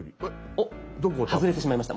おっ外れてしまいました。